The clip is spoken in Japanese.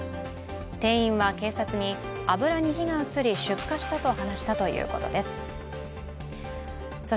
店員は警察に油に火が移り出火したと話したということです。